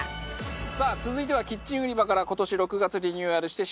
さあ続いてはキッチン売り場から今年６月リニューアルして新登場。